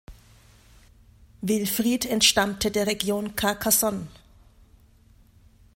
Wilfried entstammte der Region Carcassonne.